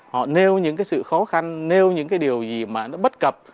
họ nêu những sự khó khăn nêu những điều gì mà nó bất cập